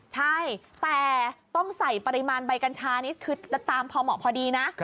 ใช่แต่ต้องใส่ปริมาณใบกัญชานี่คือจะตามพอเหมาะพอดีนะ